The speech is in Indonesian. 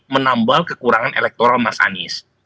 menambal kekurangan elektoral mas anies